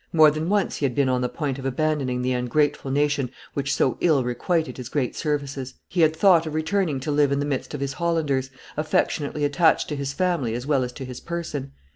More than once he had been on the point of abandonhig the ungrateful nation which so ill requited his great services; he had thought of returning to live in the midst of his Hollanders, affectionately attached to his family as well as to his person.